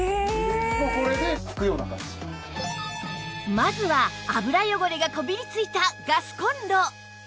まずは油汚れがこびり付いたガスコンロ